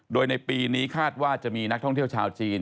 โดยในปีนี้คาดว่าจะมีนักท่องเที่ยวชาวจีน